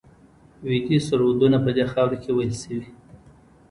ویدي سرودونه په دې خاوره کې ویل شوي